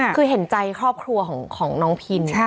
คือเห็นใจครอบครัวของน้องพิน